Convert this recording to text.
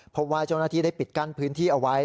เพราะว่าเจ้าหน้าที่ได้ปิดกั้นพื้นที่เอาไว้